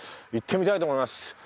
行ってみたいと思います。